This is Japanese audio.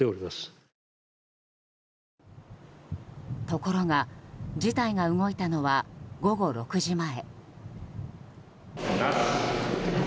ところが事態が動いたのは午後６時前。